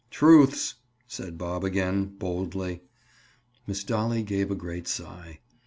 "Truths!" said Bob again boldly. Miss Dolly gave a great sigh.